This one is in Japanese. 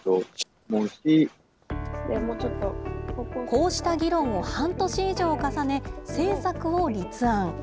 こうした議論を半年以上重ね、政策を立案。